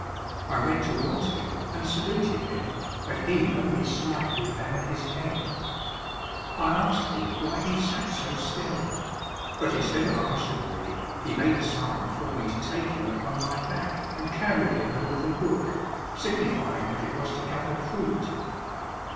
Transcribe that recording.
I went towards him and saluted him, but he only slightly bowed his head. I asked him why he sat so still; but instead of answering me, he made a sign for me to take him upon my back and carry him over the brook, signifying that it was to gather fruit.